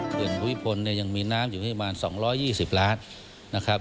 เขื่อนภูมิผลยังมีน้ำอยู่ให้ประมาณ๒๒๐ล้านนะครับ